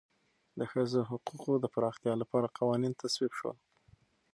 د ښځو حقوقو د پراختیا لپاره قوانین تصویب شول.